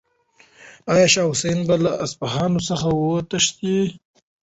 آیا شاه حسین به له اصفهان څخه وتښتي؟